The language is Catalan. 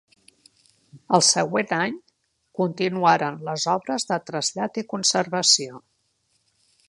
El següent any continuaren les obres de trasllat i conservació.